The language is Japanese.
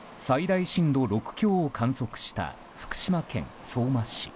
最大震度６強を観測した福島県相馬市。